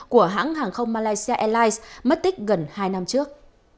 của hãng hàng không malaysia airlines mất tích gần hai năm trước